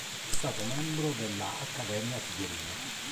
È stato membro della Accademia Tiberina.